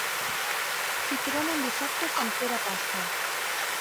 Si trona en dissabte, sant Pere pasta.